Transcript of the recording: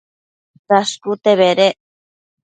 Dashcute bedec